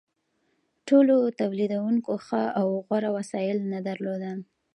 ټولو تولیدونکو ښه او غوره وسایل نه درلودل.